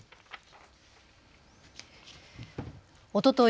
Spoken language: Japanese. おととい